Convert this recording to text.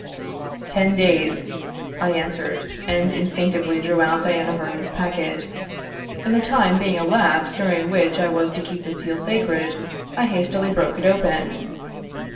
"Ten days," I answered, and instinctively drew out Diana Vernon's packet; and the time being elapsed during which I was to keep the seal sacred, I hastily broke it open.